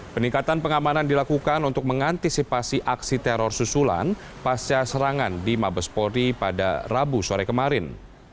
peningkatan pengamanan dilakukan untuk mengantisipasi aksi teror susulan pasca serangan di mabes polri pada rabu sore kemarin